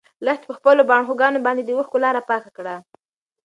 لښتې په خپلو باړخوګانو باندې د اوښکو لاره پاکه کړه.